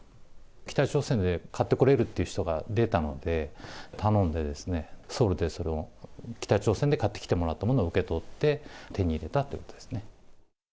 北朝鮮で買ってこれるという方が出たので、頼んで、ソウルでそれを、北朝鮮で買ってきてもらったものを受け取って、手に入れたということですね。